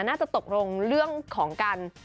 น่าจะตกลงเรื่องของการ